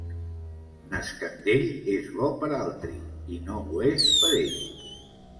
N'Escandell és bo per altri i no ho és per ell.